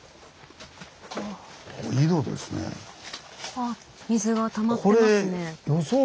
あ水がたまってますね。